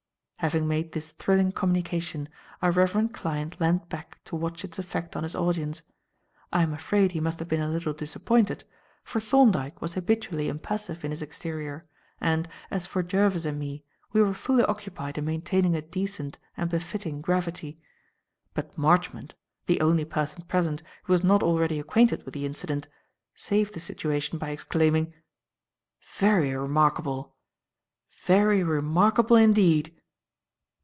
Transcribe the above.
Having made this thrilling communication, our reverend client leaned back to watch its effect on his audience. I am afraid he must have been a little disappointed, for Thorndyke was habitually impassive in his exterior, and, as for Jervis and me, we were fully occupied in maintaining a decent and befitting gravity. But Marchmont the only person present who was not already acquainted with the incident saved the situation by exclaiming: "Very remarkable! Very remarkable indeed!"